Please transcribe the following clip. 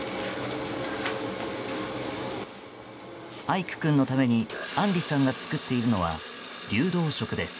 愛久くんのためにあんりさんが作っているのは流動食です。